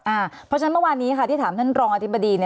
เพราะฉะนั้นเมื่อวานนี้ค่ะที่ถามท่านรองอธิบดี